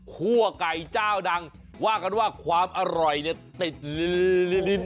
ไก่เจ้าดังว่ากันว่าความอร่อยเนี่ยติดลื้อ